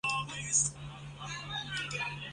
刘知俊得补徐州马步军都指挥使。